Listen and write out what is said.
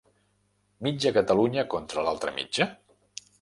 Mitja Catalunya contra l´altra mitja?...